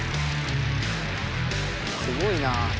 すごいなあ。